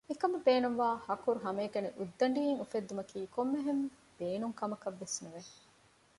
މިކަމަށް ބޭނުންވާ ހަކުރު ހަމައެކަނި އުއްދަޑީން އުފެއްދުމަކީ ކޮންމެހެން ބޭނުން ކަމަކަށްވެސް ނުވެ